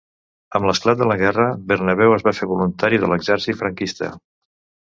Amb l'esclat de la Guerra, Bernabéu es va fer voluntari de l'exèrcit franquista.